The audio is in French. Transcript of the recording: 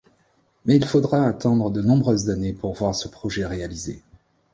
Mais il faudra attendre de nombreuses années pour voir ce projet réaliser.